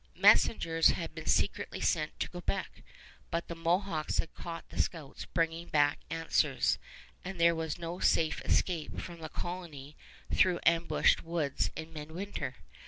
Messengers had been secretly sent to Quebec, but the Mohawks had caught the scouts bringing back answers, and there was no safe escape from the colony through ambushed woods in midwinter.